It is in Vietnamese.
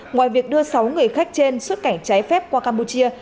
ngoài việc đưa sáu người khách trên xuất cảnh trái phép qua campuchia